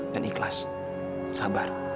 dan ikhlas sabar